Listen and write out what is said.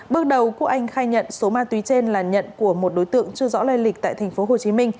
bước đầu quốc anh khai nhận số ma túy trên là nhận của một đối tượng chưa rõ lây lịch tại tp hcm